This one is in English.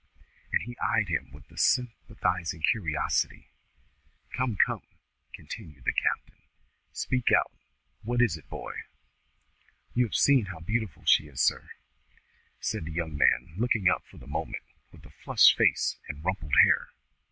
And he eyed him with a sympathising curiosity. "Come, come!" continued the captain, "Speak out. What is it, boy!" "You have seen how beautiful she is, sir," said the young man, looking up for the moment, with a flushed face and rumpled hair.